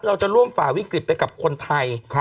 เราจะร่วมฝ่าวิกฤตไปกับคนไทย